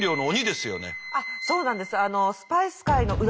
あっそうなんです。